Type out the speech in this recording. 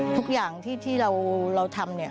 ทุกอย่างที่เราทำ